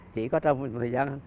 chỉ có trong một thời gian